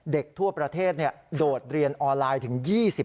ทั่วประเทศโดดเรียนออนไลน์ถึง๒๐